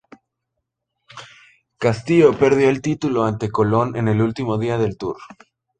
Castillo perdió el título ante Colón en el último día del "tour".